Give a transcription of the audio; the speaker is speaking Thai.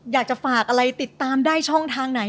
อยากจะฝากอะไรติดตามได้ช่องทางไหน